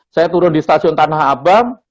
saya turun di stasiun tanah abang